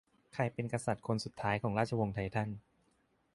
ใครเป็นกษัตริย์คนสุดท้ายของราชวงศ์ไททัน